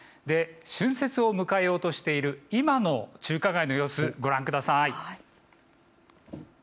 春節を迎えようとしている今の中華街の様子、ご覧ください。